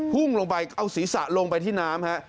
พุ่งลงไปเอาศีรษะลงไปที่น้ำฮะ